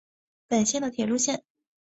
本线的铁路线。